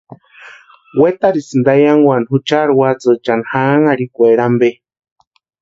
Wetarhesïnti eyankwani juchari watsïichani janhanharhikwaeri ampe.